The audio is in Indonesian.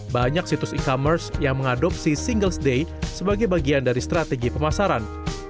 banyak situs e commerce yang mengadopsi singles day sebagai bagian dari strategi pemasaran